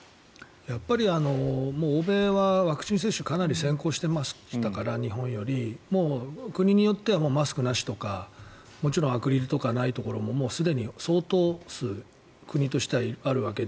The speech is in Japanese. やっぱり欧米はワクチン接種が日本よりかなり先行していましたからもう国によってはマスクなしとかもちろん、アクリルとかないところもすでに、相当数国としてはあるわけで。